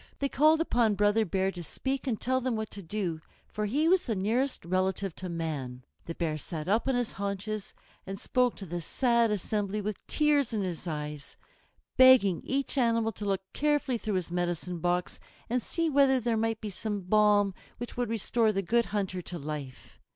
They called upon Brother Bear to speak and tell them what to do; for he was the nearest relative to man. The Bear sat up on his haunches and spoke to the sad assembly with tears in his eyes, begging each animal to look carefully through his medicine box and see whether there might not be some balm which would restore the Good Hunter to life.